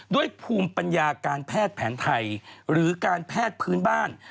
ภูมิปัญญาการแพทย์แผนไทยหรือการแพทย์พื้นบ้าน